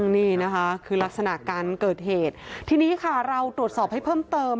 นี่นะคะคือลักษณะการเกิดเหตุทีนี้ค่ะเราตรวจสอบให้เพิ่มเติม